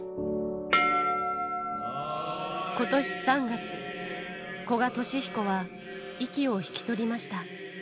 ことし３月、古賀稔彦は息を引き取りました。